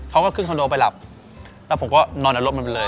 เขาก็ขึ้นคอนโดไปหลับแล้วผมก็นอนเอารถมันไปเลย